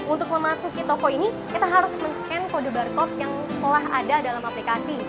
untuk memasuki toko ini kita harus men scan kode barcode yang telah ada dalam aplikasi